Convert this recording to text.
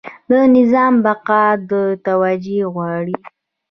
د نظام بقا دا توجیه غواړي.